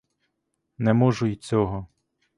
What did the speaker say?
Не можу й цього.